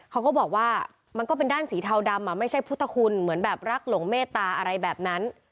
เขาก็บอกว่ามันก็เป็นด้านสีเทาดำอ่ะไม่ใช่พุทธคุณหรืออะไรแบบนั้น